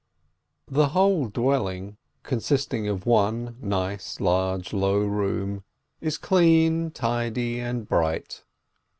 II The whole dwelling, consisting of one nice, large, low room, is clean, tidy, and bright.